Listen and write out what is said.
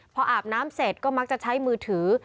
พออาบน้ำเสร็จก็มักจะใช้มือถือ